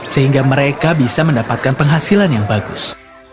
sehingga mereka bisa mendapatkan penghasilan yang bagus